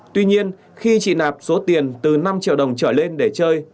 tuy nhiên khi chị nạp số tiền từ năm triệu đồng trở lên để chơi